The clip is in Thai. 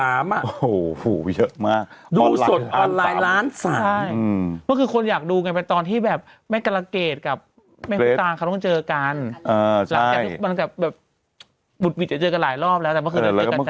อ่าใช่หลังจากบุตรวิจจะเจอกันหลายรอบแล้วแต่เมื่อคืนก็เจอกันต่าง